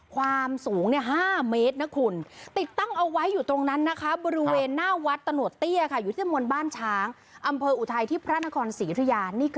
ความสูง๕เมตรติดตั้งเอาไว้อยู่ตรงนั้นบริเวณหน้าวัดตะโหนตี้ย